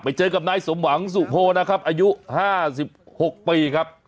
ไปเจอกับนายสมหวังสุโพนะครับอายุ๕๖ปีครับ